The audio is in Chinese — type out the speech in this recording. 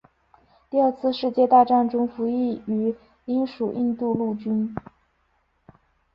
第二次世界大战中服役于英属印度陆军。